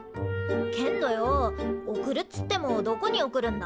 けんどよ送るっつってもどこに送るんだ？